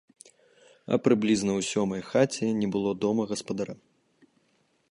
А прыблізна ў сёмай хаце не было дома гаспадара.